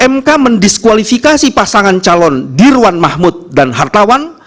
mk mendiskualifikasi pasangan calon dirwan mahmud dan hartawan